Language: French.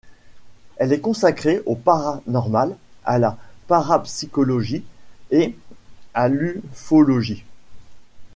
Elle est consacrée au paranormal, à la parapsycholgogie et à l'ufologie.